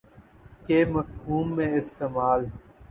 کے مفہوم میں استعمال